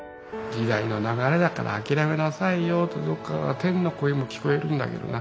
時代の流れだから諦めなさいよとどっかから天の声も聞こえるんだけどな